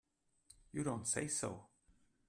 You don't say so!